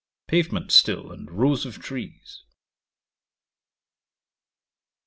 Pavement still, and rows of trees.